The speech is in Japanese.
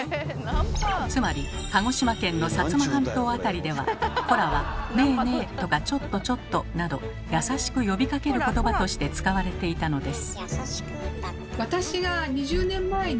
つまり鹿児島県の薩摩半島辺りでは「コラ」は「ねえねえ」とか「ちょっとちょっと」など優しく呼びかける言葉として使われていたのです。